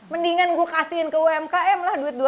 mendingan gue kasihin ke umkm lah